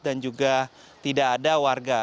juga tidak ada warga